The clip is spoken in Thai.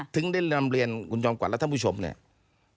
ถึงได้นำเรียนคุณจอมขวัญและท่านผู้ชมเนี่ย